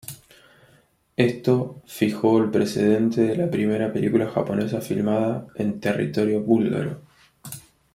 Esto fijó el precedente de la primera película japonesa filmada en territorio búlgaro.